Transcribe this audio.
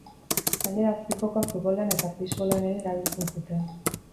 Gainera, azpijokoa futbolean eta beisbolean ere erabiltzen zuten.